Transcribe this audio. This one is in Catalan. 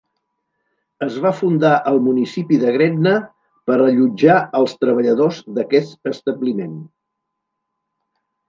Es va fundar el municipi de Gretna per allotjar els treballadors d'aquest establiment.